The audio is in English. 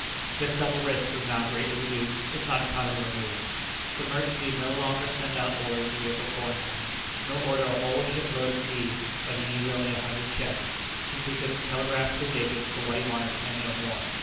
This double risk was now greatly reduced, if not entirely removed. The merchant need no longer send out orders a year beforehand, nor order a whole ship load of tea when he needed only a hundred chests, since he could telegraph to his agent for what he wanted and no more.